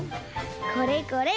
これこれ！